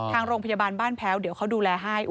ทางโรงพยาบาลบ้านแพ้วเดี๋ยวเขาดูแลให้